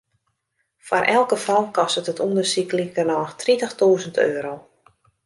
Foar elk gefal kostet it ûndersyk likernôch tritichtûzen euro.